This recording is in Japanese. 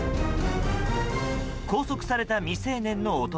拘束された未成年の男。